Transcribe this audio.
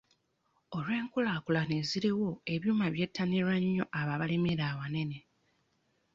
Olw'enkulaakulana eziriwo ebyuma byettanirwa nnyo abo abalimira awanene.